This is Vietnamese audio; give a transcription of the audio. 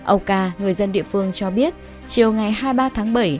âu ca người dân địa phương cho biết chiều ngày hai mươi ba tháng bảy